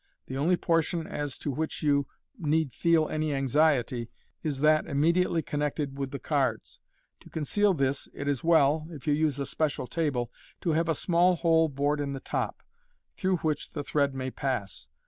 The only portion as to which you ne< d feel any anxiety is that immediately connected with the cards. To conceal this it is well, if you use a special table, to have a small hole bored in the top, through which the thtead may pass.